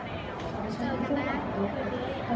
พี่แม่ที่เว้นได้รับความรู้สึกมากกว่า